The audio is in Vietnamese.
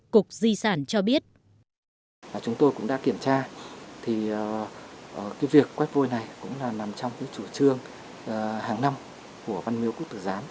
chúng tôi cũng đã kiểm tra việc quét vôi này nằm trong chủ trương hàng năm của văn miếu quốc tử giám